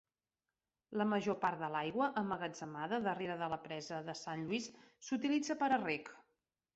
La major part de l'aigua emmagatzemada darrere de la presa de San Luis s'utilitza per a reg.